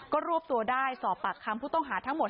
ก็รวบตัวได้สอบปากคำผู้ต้องหาทั้งหมด